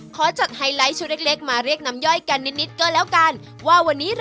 ขอจดไฮไลต์ชุดเล็กมาเรียกนำย่อยกันนิดก็แล้วกัน